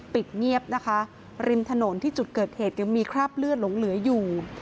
ปิดเงียบนะคะริมถนนที่จุดเกิดเหตุยังมีคราบเลือดหลงเหลืออยู่